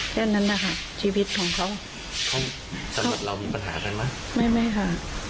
แค่นั้นนะคะชีวิตของเขาเขาสำหรับเรามีปัญหากันไหมไม่ไม่ค่ะ